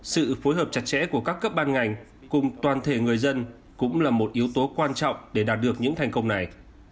sự phối hợp chặt chẽ của các cấp ban ngành cùng toàn thể người dân cũng là một yếu tố quan trọng để đạt được những thành công này